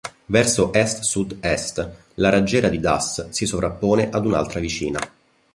Verso est-sud-est la raggiera di Das si sovrappone ad un'altra vicina.